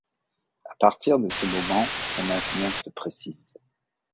À partir de ce moment, son avenir se précise.